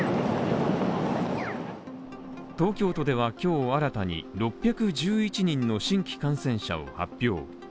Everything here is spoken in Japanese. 東京都では今日新たに６１１人の新規感染者を発表。